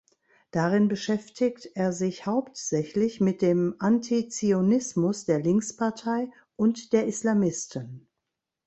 Darin beschäftigt er sich hauptsächlich mit dem Antizionismus der Linkspartei und der Islamisten.